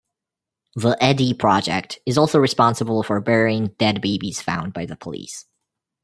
The Edhi project is also responsible for burying dead babies found by the police.